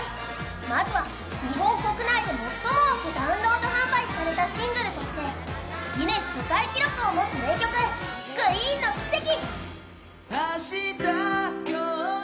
まずは日本国内で最も多くダウンロード販売されたシングルとしてギネス世界記録を持つ名曲、ＧＲｅｅｅｅＮの「キセキ」。